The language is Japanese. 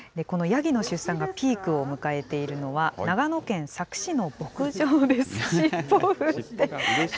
このヤギの出産がピークを迎えているのは、長野県佐久市の牧場です。